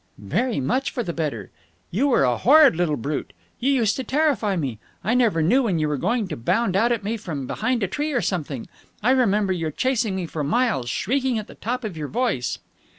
"Very much for the better! You were a horrid little brute. You used to terrify me. I never knew when you were going to bound out at me from behind a tree or something. I remember your chasing me for miles, shrieking at the top of your voice!"